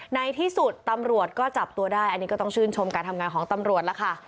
ในที่สุดตำรวจก็จับตัวได้อันนี้ก็ต้องชื่นชมการทำงานของตำรวจแล้วค่ะ